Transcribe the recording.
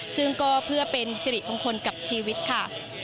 ซึ่งก็เพื่อเป็นสิริมงคลกับชีวิตค่ะ